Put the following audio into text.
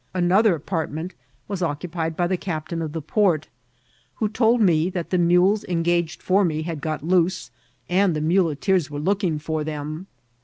Another apartment was occtqpied by the captain of the port, who told me that the mules engaged for me had got loose, and the muleteers were looking for them.